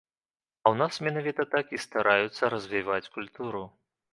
А ў нас менавіта так і стараюцца развіваць культуру.